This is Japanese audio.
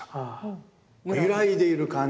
ゆらいでいる感じ。